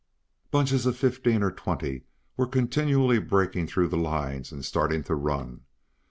Bunches of fifteen or twenty were continually breaking through the lines and starting to run.